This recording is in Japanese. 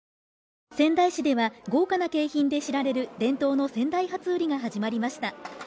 仙台市では豪華な景品で知られる伝統の仙台初売りが始まりました。